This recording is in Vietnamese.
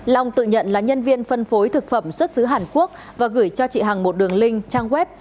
long tự nhận là nhân viên phân phối thực phẩm xuất xứ hàn quốc và gửi cho chị hằng một đường link trang web